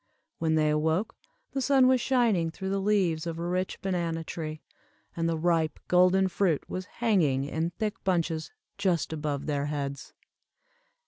When they awoke, the sun was shining through the leaves of a rich banana tree, and the ripe golden fruit was hanging in thick bunches just above their heads.